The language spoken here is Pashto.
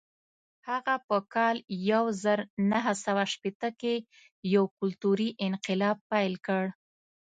هغه په کال یو زر نهه سوه شپېته کې یو کلتوري انقلاب پیل کړ.